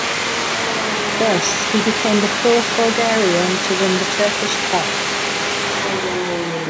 Thus, he became the fourth Bulgarian to win the Turkish Cup.